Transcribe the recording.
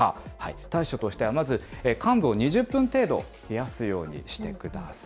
対処としてはまず、患部を２０分程度冷やすようにしてください。